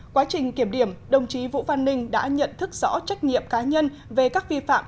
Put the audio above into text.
quá trình kiểm điểm đồng chí vũ văn ninh đã nhận thức rõ trách nhiệm cá nhân về các vi phạm